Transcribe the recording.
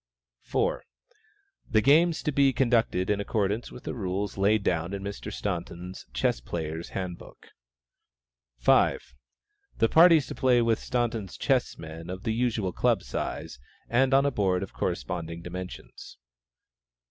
4. The games to be conducted in accordance with the rules laid down in Mr. Staunton's "Chess Player's Handbook." 5. The parties to play with Staunton chessmen of the usual club size, and on a board of corresponding dimensions.